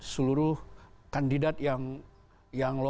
seluruh kandidat yang